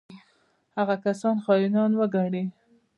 هغه کسان خاینان وګڼي.